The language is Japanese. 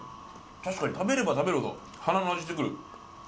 確かに食べれば食べるほど花の味してくる。